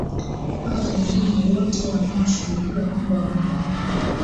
hao wengine wote wanaoshuhudia kwamba wamepona